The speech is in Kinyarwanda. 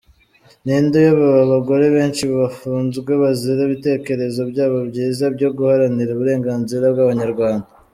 Ninde uyobewe abagore benshi bafunzwe bazira ibitekerezo byabo byiza byo guharanira uburenganzira bw’abanyarwanda?